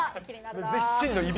ぜひ真のいび